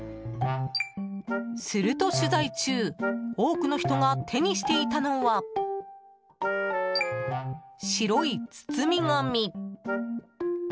すると取材中、多くの人が手にしていたのは、白い包み紙。